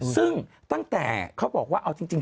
ซึ่งตั้งแต่เขาบอกว่าเอาจริง